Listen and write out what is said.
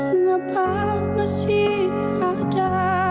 kenapa masih ada